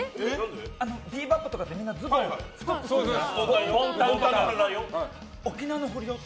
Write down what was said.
ビーバップとかってみんなズボンを太くするじゃん。